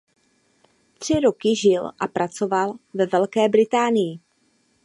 Tři roky žil a pracoval ve Velké Británii.